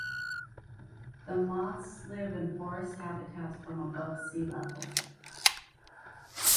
The moths live in forest habitats from above sea level.